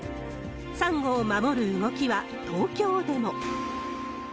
サンゴを守る動きは東京でも。